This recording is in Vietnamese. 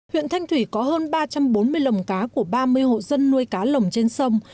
huyện thanh thủy có hơn ba trăm bốn mươi lồng cá của ba mươi hộ dân nuôi cá lồng trên sông